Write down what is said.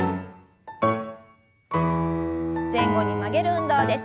前後に曲げる運動です。